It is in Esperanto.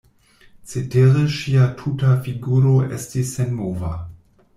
Cetere ŝia tuta figuro estis senmova.